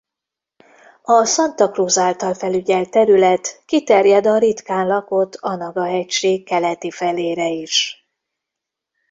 A Santa Cruz által felügyelt terület kiterjed a ritkán lakott Anaga-hegység keleti felére is.